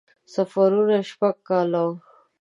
سفرونه یې شپږ کاله وو.